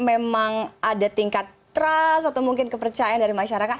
memang ada tingkat trust atau mungkin kepercayaan dari masyarakat